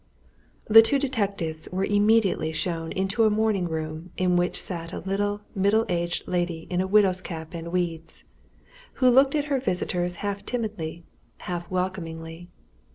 The two detectives were immediately shown into a morning room in which sat a little, middle aged lady in a widow's cap and weeds, who looked at her visitors half timidly, half welcomingly.